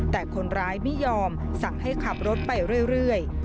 แต่คนร้ายไม่ยอมสั่งให้ขับรถไปเรื่อย